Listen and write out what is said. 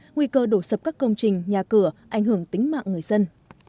nguy cơ đổ sập các công trình nhà cửa ảnh hưởng tính mạng người dân